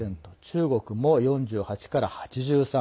中国も４８から８３。